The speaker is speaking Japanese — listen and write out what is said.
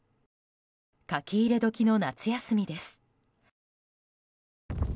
書き入れ時の夏休みです。